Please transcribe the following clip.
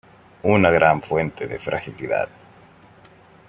Una gran fuente de fragilidad".